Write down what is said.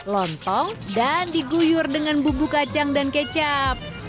lontong dan diguyur dengan bumbu kacang dan kecap